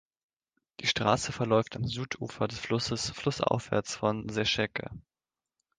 Die Straße verläuft am Südufer des Flusses flussaufwärts von Sesheke.